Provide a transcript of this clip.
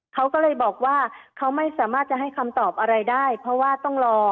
เขาก็เลยบอกว่าเขาไม่สามารถจะให้คำตอบอะไรได้เพราะว่าต้องรอ